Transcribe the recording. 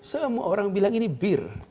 semua orang bilang ini bir